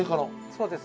そうです。